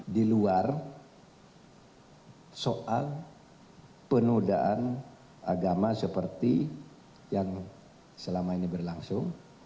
diluar soal penodaan agama seperti yang selama ini berlangsung